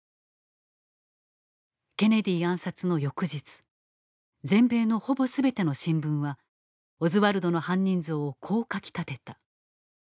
ケネディ暗殺の翌日全米のほぼ全ての新聞はオズワルドの犯人像をこう書き立てた。